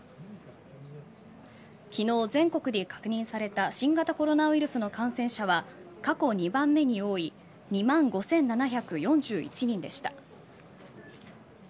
昨日、全国で確認された新型コロナウイルス感染者は過去２番目に多い２万５７４１人でした。